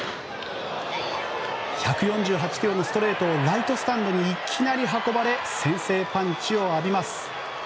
１４８キロのストレートをライトスタンドにいきなり運ばれ先制パンチを浴びます。